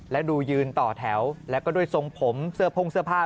และดูยืนต่อแถวแล้วก็ด้วยทรงผมเสื้อพ่งเสื้อผ้า